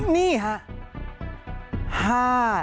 นี่ครับ